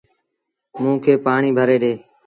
موݩ کي پآڻيٚ ڀري ڏي۔